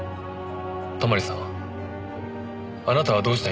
泊さんあなたはどうしたいんですか？